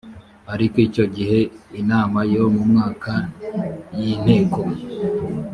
ariko icyo gihe inama yo mu mwaka y inteko